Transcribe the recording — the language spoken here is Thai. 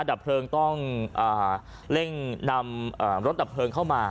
ดับเพลิงต้องเร่งนำรถดับเพลิงเข้ามา